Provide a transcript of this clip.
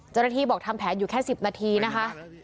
เจ้าหน้าที่บอกทำแผนอยู่แค่๑๐นาทีนะคะ